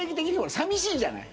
寂しいじゃない。